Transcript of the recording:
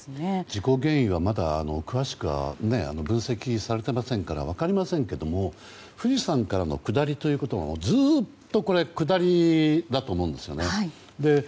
事故原因はまだ詳しくは分析されていませんから分かりませんけども富士山からの下りということはずっと下りだと思うんですね。